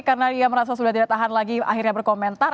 karena dia merasa sudah tidak tahan lagi akhirnya berkomentar